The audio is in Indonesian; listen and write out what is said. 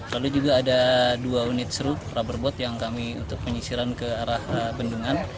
lalu juga ada dua unit seru rubber boat yang kami untuk penyisiran ke arah bendungan